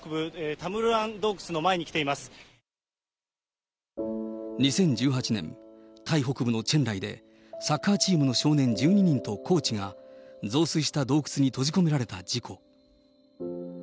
タムルアン洞窟の前に２０１８年、タイ北部のチェンライでサッカーチームの少年１２人とコーチが増水した洞窟に閉じ込められた事故。